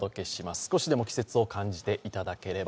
少しでも季節を感じていただければ。